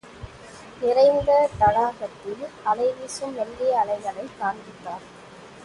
நிறைந்த தடாகத்தில் அலை வீசும் மெல்லிய அலைகளைக் காண்பித்தார்.